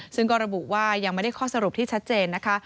ซึ่งก็ระบุว่ายังไม่ได้ข้อสรุปที่ชัดเจนนะคะ